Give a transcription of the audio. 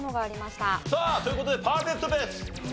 さあという事でパーフェクトペース。